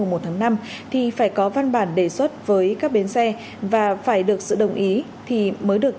mùa một tháng năm thì phải có văn bản đề xuất với các bến xe và phải được sự đồng ý thì mới được